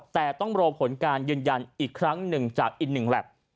แต่ต้องรอผลการยืนยันอีกครั้งหนึ่งจากอีกหนึ่งแล็บ